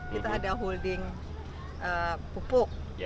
kita ada holding pupuk